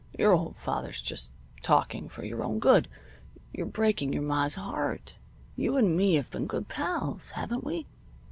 "Your old father's just talking for your own good. You're breaking your ma's heart. You and me have been good pals, haven't we?"